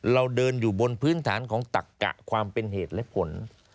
เราเดินอยู่บนพื้นฐานของตักกะความเป็นเหตุและผล